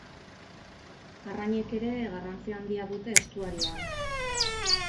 Arrainek ere garrantzi handia dute estuarioan.